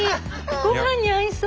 ご飯に合いそう。